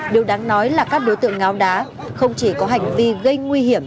điều đáng nói là các đối tượng ngáo đá không chỉ có hành vi gây nguy hiểm